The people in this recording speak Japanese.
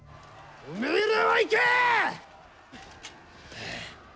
おめえらは行け！